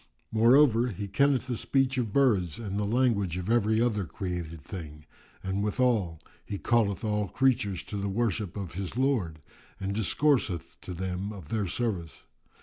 Moreover, he kenneth the speech of birds and the language of every other created thing; and withal, he calleth all creatures to the worship of his Lord and discourseth to them of their service.